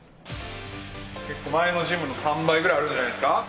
前のジムの３倍ぐらい、あるんじゃないですか。